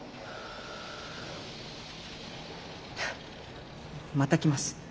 ハッまた来ます。